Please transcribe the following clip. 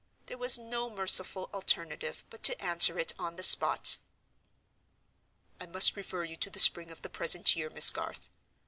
There was no merciful alternative but to answer it on the spot. "I must refer you to the spring of the present year, Miss Garth.